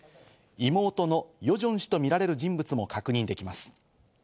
妹のヨジョン氏とみられる人物も確認できます。